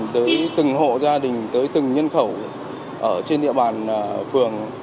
tới từng hộ gia đình tới từng nhân khẩu ở trên địa bàn phường